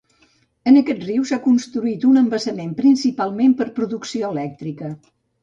En aquest riu s'ha construït un embassament principalment per producció elèctrica.